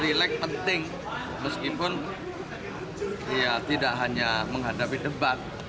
relaks penting meskipun tidak hanya menghadapi debat